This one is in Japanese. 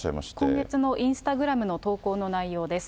今月のインスタグラムの投稿の内容です。